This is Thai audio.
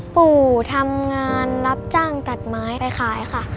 ปู่ทำงานรับจ้างตัดไม้ไปขายค่ะ